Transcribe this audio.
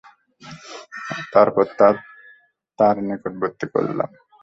তারপর তা তার নিকটবর্তী করলাম।